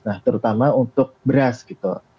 nah terutama untuk beras gitu